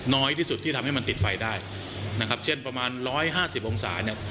น้อยที่สุดที่ทำให้มันติดไฟได้นะครับเช่นประมาณ๑๕๐องศาเนี่ย